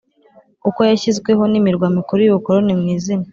uko yashyizweho n imirwa mikuru y ubukoroni mu izina